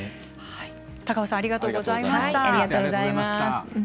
高尾さんありがとうございました。